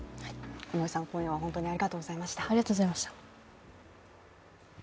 五ノ井さん、今夜は本当にありがとうございました。